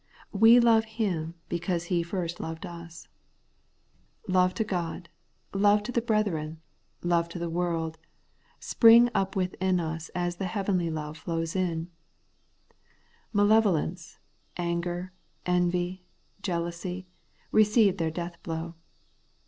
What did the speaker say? ' We love Him because He first loved us,' The Holy Life of the Justified. 197 Love to God, love to the brethren, love to the world, spring up within ns as the heavenly love flows in. Malevolence, anger, envy, jealousy, receive their death blow.